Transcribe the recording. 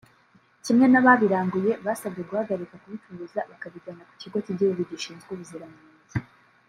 kimwe n’ababiranguye basabwe guhagarika kubicuruza bakabijyana ku kigo cy’igihugu gishinzwe ubuziranenge